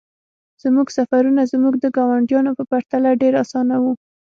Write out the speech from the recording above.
زموږ سفرونه زموږ د ګاونډیانو په پرتله ډیر اسانه وو